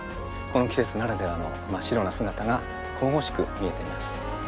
この季節ならではの真っ白な姿が神々しく見えています。